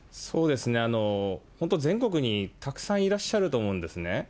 本当、全国にたくさんいらっしゃると思うんですね。